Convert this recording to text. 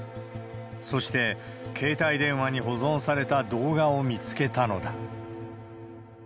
そして、携帯電話に保存された動画を見つけたのだ。